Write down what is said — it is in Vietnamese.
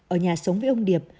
ở nhà sống với ông điệp